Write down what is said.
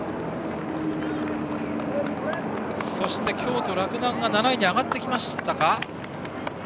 そして京都・洛南が７位に上がってきましたか。